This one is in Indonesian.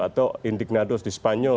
atau indignados di sepanyol